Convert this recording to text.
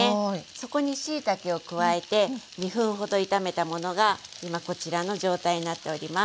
そこにしいたけを加えて２分ほど炒めたものが今こちらの状態になっております。